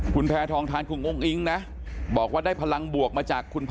คุณแพทองทานคุณอุ้งอิ๊งนะบอกว่าได้พลังบวกมาจากคุณพ่อ